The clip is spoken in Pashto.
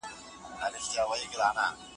روانې جنازې شوې د مغول له قافلې نه